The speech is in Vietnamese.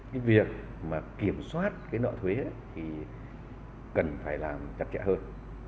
cái việc mà kiểm soát cái nợ thuế thì cần phải làm chặt chẽ hơn